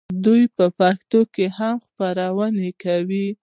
دوی په پښتو هم خپرونې کوي.